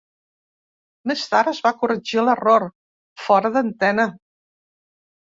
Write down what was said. Més tard es va corregir l'error, fora d'antena.